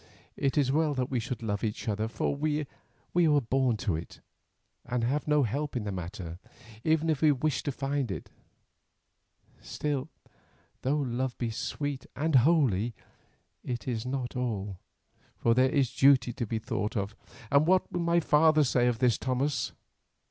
It is well that we should love each other, for we were born to it, and have no help in the matter, even if we wished to find it. Still, though love be sweet and holy, it is not all, for there is duty to be thought of, and what will my father say to this, Thomas?"